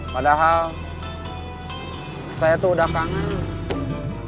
padahal saya tuh udah kangen